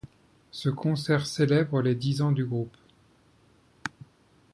Ce concert célèbre les dix ans du groupe.